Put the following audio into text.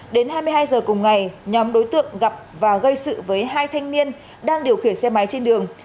đến hai mươi hai h cùng ngày nhóm đối tượng gặp và gây sự với hai thanh niên đang điều khiển xe máy trên đường